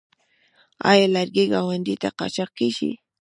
آیا لرګي ګاونډیو ته قاچاق کیږي؟